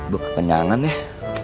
buk kenangan deh